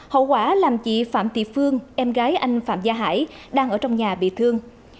hậu quả làm chị phạm thị phương em gái anh phạm gia hải đang ở trong nhà bị thương